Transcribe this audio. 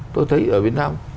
tôi thấy ở việt nam